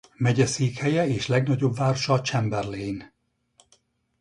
Megyeszékhelye és legnagyobb városa Chamberlain.